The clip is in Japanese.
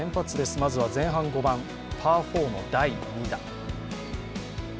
まずは前半５番パー４の第２打。